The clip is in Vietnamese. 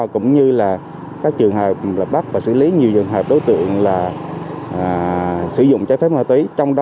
cũng như các trường hợp bắt và xử lý nhiều trường hợp đối tượng